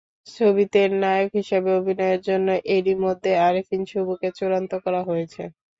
ছবিতে নায়ক হিসেবে অভিনয়ের জন্য এরই মধ্যে আরিফিন শুভকে চূড়ান্ত করা হয়েছে।